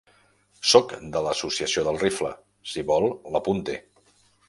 Soc de l'Associació del Rifle, si vol l'apunte.